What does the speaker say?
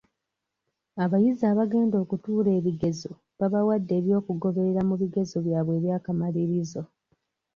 Abayizi abagenda okutuula ebigezo babawadde eby'okugoberera mu bigezo byabwe eby'akamalirizo.